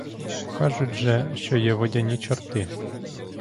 Кажуть же, що є водяні чорти.